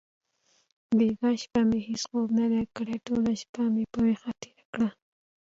بیګا شپه مې هیڅ خوب ندی کړی. ټوله شپه مې په ویښه تېره کړه.